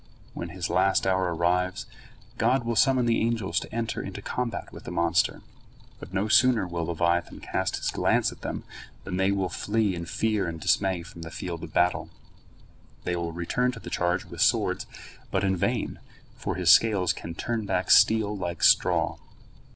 When his last hour arrives, God will summon the angels to enter into combat with the monster. But no sooner will leviathan cast his glance at them than they will flee in fear and dismay from the field of battle. They will return to the charge with swords, but in vain, for his scales can turn back steel like straw.